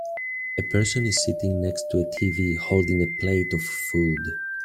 A person is sitting next to a tv holding a plate of food.